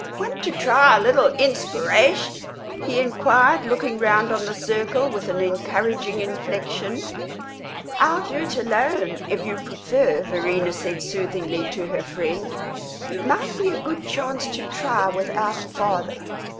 "Want to try a little inspiration?" he inquired, looking round on the circle with an encouraging inflexion. "I'll do it alone, if you prefer," Verena said soothingly to her friend. "It might be a good chance to try without father."